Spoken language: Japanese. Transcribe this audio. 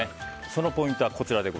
そのポイントはこちら。